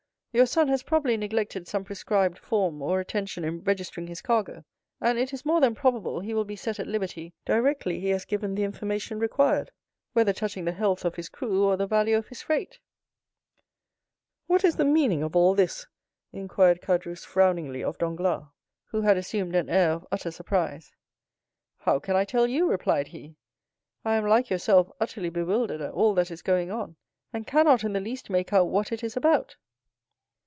Your son has probably neglected some prescribed form or attention in registering his cargo, and it is more than probable he will be set at liberty directly he has given the information required, whether touching the health of his crew, or the value of his freight." "What is the meaning of all this?" inquired Caderousse, frowningly, of Danglars, who had assumed an air of utter surprise. 0073m "How can I tell you?" replied he; "I am, like yourself, utterly bewildered at all that is going on, and cannot in the least make out what it is about."